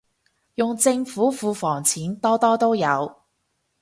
用政府庫房錢，多多都有